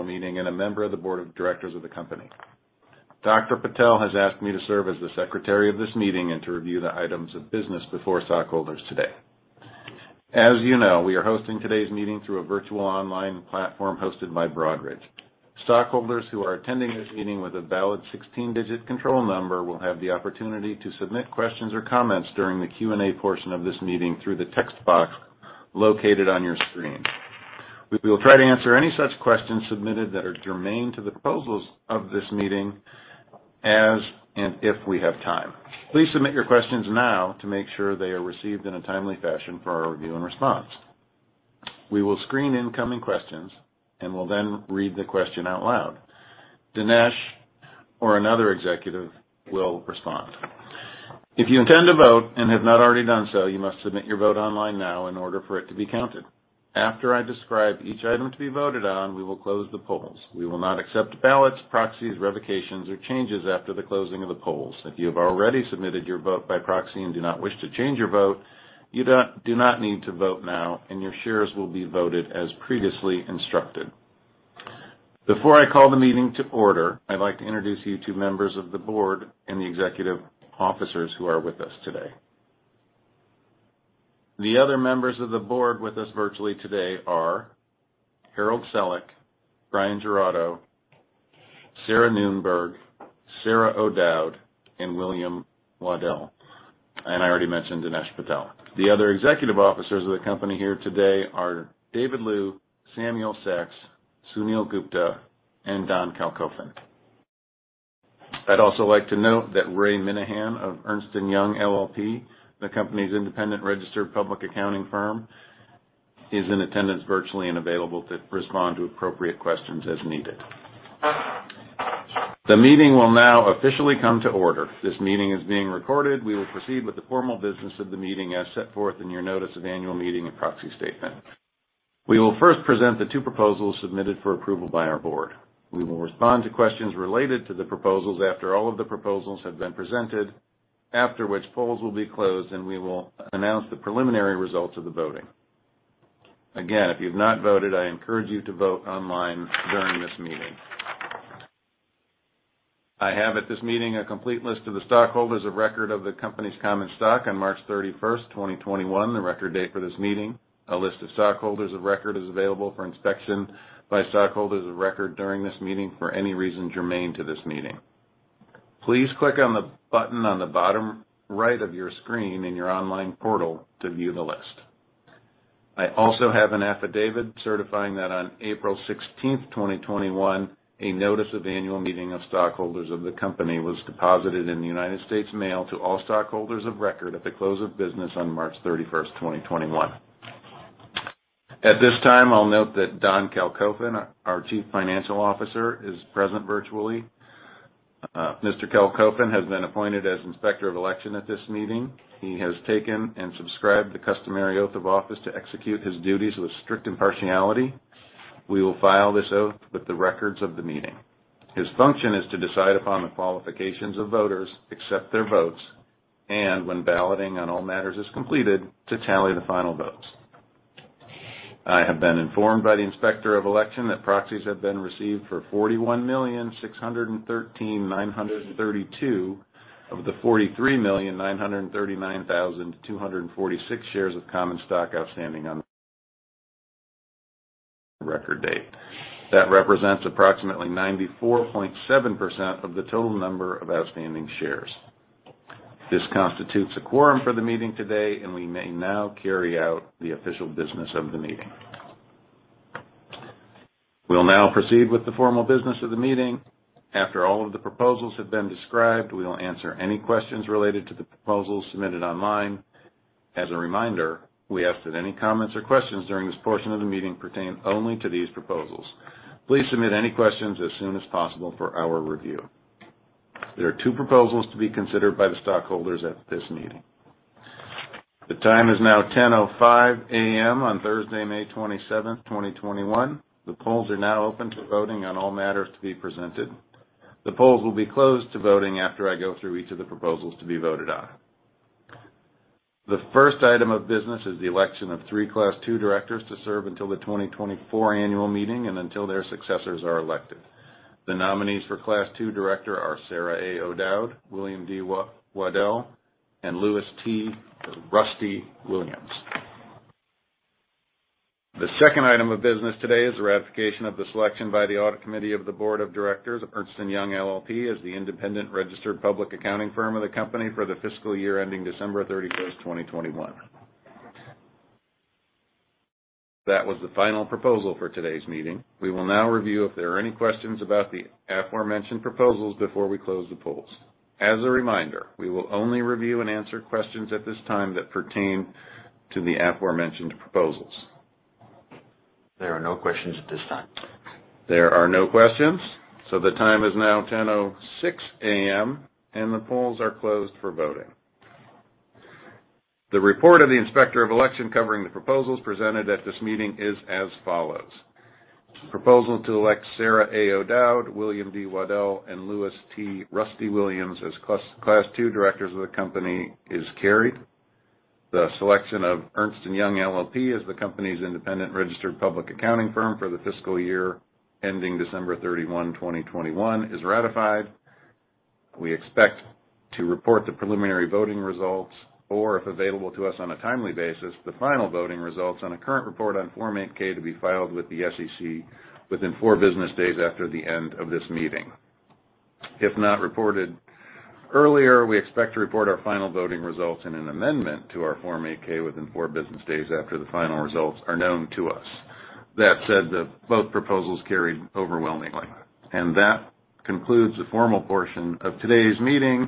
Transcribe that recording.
Annual meeting and a member of the board of directors of the company. Dr. Patel has asked me to serve as the secretary of this meeting and to review the items of business before stockholders today. As you know, we are hosting today's meeting through a virtual online platform hosted by Broadridge. Stockholders who are attending this meeting with a valid 16-digit control number will have the opportunity to submit questions or comments during the Q&A portion of this meeting through the text box located on your screen. We will try to answer any such questions submitted that are germane to the proposals of this meeting, as and if we have time. Please submit your questions now to make sure they are received in a timely fashion for our review and response. We will screen incoming questions and will then read the question out loud. Dinesh or another executive will respond. If you intend to vote, and have not already done so, you must submit your vote online now in order for it to be counted. After I describe each item to be voted on, we will close the polls. We will not accept ballots, proxies, revocations, or changes after the closing of the polls. If you have already submitted your vote by proxy and do not wish to change your vote, you do not need to vote now, and your shares will be voted as previously instructed. Before I call the meeting to order, I'd like to introduce you to members of the board and the executive officers who are with us today. The other members of the board with us virtually today are Harold E. Selick, Bryan Giraudo, Sarah Noonberg, Sarah A. O'Dowd, and William D. Waddill, and I already mentioned Dinesh Patel. The other executive officers of the company here today are David Y. Liu, Samuel Saks, Suneel Gupta, and Don Kalkofen. I'd also like to note that Ray Minehan of Ernst & Young LLP, the company's independent registered public accounting firm, is in attendance virtually and available to respond to appropriate questions as needed. The meeting will now officially come to order. This meeting is being recorded. We will proceed with the formal business of the meeting as set forth in your notice of annual meeting and proxy statement. We will first present the two proposals submitted for approval by our board. We will respond to questions related to the proposals after all of the proposals have been presented, after which polls will be closed, and we will announce the preliminary results of the voting. Again, if you have not voted, I encourage you to vote online during this meeting. I have at this meeting a complete list of the stockholders of record of the company's common stock on March 31st, 2021, the record date for this meeting. A list of stockholders of record is available for inspection by stockholders of record during this meeting for any reason germane to this meeting. Please click on the button on the bottom right of your screen in your online portal to view the list. I also have an affidavit certifying that on April 16th, 2021, a notice of annual meeting of stockholders of the company was deposited in the United States Mail to all stockholders of record at the close of business on March 31st, 2021. At this time, I'll note that Don Kalkofen, our chief financial officer, is present virtually. Mr. Kalkofen has been appointed as Inspector of Election at this meeting. He has taken and subscribed the customary oath of office to execute his duties with strict impartiality. We will file this oath with the records of the meeting. His function is to decide upon the qualifications of voters, accept their votes, and when balloting on all matters is completed, to tally the final votes. I have been informed by the Inspector of Election that proxies have been received for 41,613,932 of the 43,939,246 shares of common stock outstanding on the record date. That represents approximately 94.7% of the total number of outstanding shares. This constitutes a quorum for the meeting today, and we may now carry out the official business of the meeting. We will now proceed with the formal business of the meeting. After all of the proposals have been described, we will answer any questions related to the proposals submitted online. As a reminder, we ask that any comments or questions during this portion of the meeting pertain only to these proposals. Please submit any questions as soon as possible for our review. There are two proposals to be considered by the stockholders at this meeting. The time is now 10:05 A.M. on Thursday, May 27th, 2021. The polls are now open to voting on all matters to be presented. The polls will be closed to voting after I go through each of the proposals to be voted on. The first item of business is the election of three Class Two directors to serve until the 2024 annual meeting and until their successors are elected. The nominees for Class Two director are Sarah O'Dowd, William D. Waddill, and Lewis T. "Rusty" Williams. The second item of business today is the ratification of the selection by the Audit Committee of the Board of Directors of Ernst & Young LLP as the independent registered public accounting firm of the company for the fiscal year ending December 31st, 2021. That was the final proposal for today's meeting. We will now review if there are any questions about the aforementioned proposals before we close the polls. As a reminder, we will only review and answer questions at this time that pertain to the aforementioned proposals. There are no questions at this time. There are no questions, the time is now 10:06 A.M., and the polls are closed for voting. The report of the Inspector of Election covering the proposals presented at this meeting is as follows. Proposal to elect Sarah O'Dowd, William D. Waddill, and Lewis T. Rusty" Williams as Class wo directors of the company is carried. The selection of Ernst & Young LLP as the company's independent registered public accounting firm for the fiscal year ending December 31, 2021, is ratified. We expect to report the preliminary voting results, or if available to us on a timely basis, the final voting results on a current report on Form 8-K to be filed with the SEC within four business days after the end of this meeting. If not reported earlier, we expect to report our final voting results in an amendment to our Form 8-K within four business days after the final results are known to us. That said, both proposals carried overwhelmingly. That concludes the formal portion of today's meeting.